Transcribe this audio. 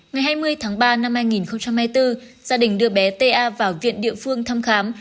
ngày hai mươi tháng ba năm hai nghìn hai mươi bốn gia đình đưa bé ta vào viện địa phương thăm khám